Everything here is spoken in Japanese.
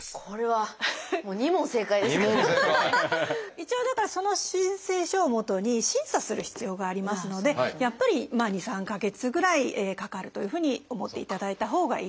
一応だからその申請書をもとに審査する必要がありますのでやっぱり２３か月ぐらいかかるというふうに思っていただいたほうがいいです。